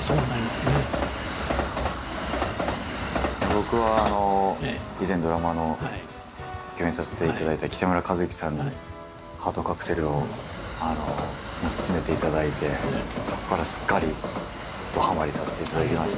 僕は以前ドラマの共演させていただいた北村一輝さんに「ハートカクテル」を薦めていただいてそこからすっかりどはまりさせていただきました。